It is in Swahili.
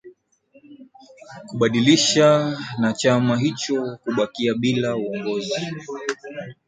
kubadilisha na chama hicho kubakia bila ya uongozi